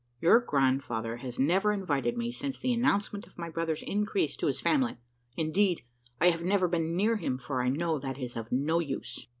Your grandfather has never invited me, since the announcement of my brother's increase to his family. Indeed, I have never been near him, for I know that it is of no use."